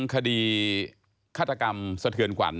คดีฆาตกรรมสเถือนกวั่น